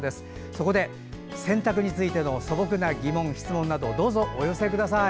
そこで洗濯についての素朴な疑問、質問などどうぞお寄せください。